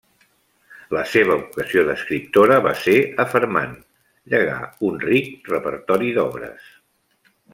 La seva vocació d'escriptora va ser afermant, llegà un ric repertori d'obres.